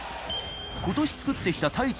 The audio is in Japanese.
今年作ってきた太一